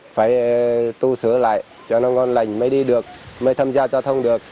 phải tu sửa lại cho nó ngon lành mới đi được